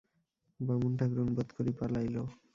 বামুন-ঠাকরুন বোধ করি পালাইল।